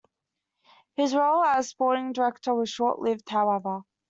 His role as sporting director was short-lived, however.